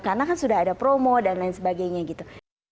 karena kan sudah ada promo dan lain sebagainya gitu